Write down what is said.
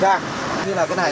như là cái này đây nhỉ chị này